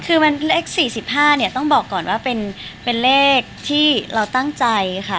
คือมันเลข๔๕เนี่ยต้องบอกก่อนว่าเป็นเลขที่เราตั้งใจค่ะ